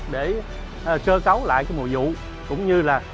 để sơ cấu lại cái mùa dụ cũng như là